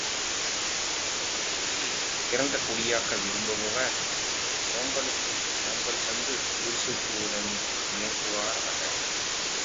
தமது குடியை உயர்ந்த குடியாக்க விரும்புபவர், சோம்பலுக்குச் சோம்பல் தந்து சுறுசுறுப்புடன் இயங்குவாராக!